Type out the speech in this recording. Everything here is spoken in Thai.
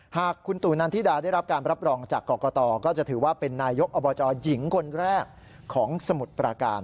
หากคุณตู่นันทิดาได้รับการรับรองจากกรกตก็จะถือว่าเป็นนายกอบจหญิงคนแรกของสมุทรประการ